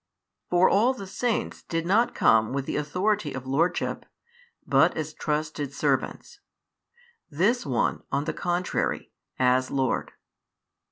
For all the saints did not come with the authority of lordship, but as trusted servants; This One, on the contrary, as Lord.